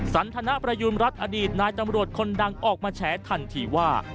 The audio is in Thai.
สันทนประยุณรัฐอดีตนายตำรวจคนดังออกมาแฉทันทีว่า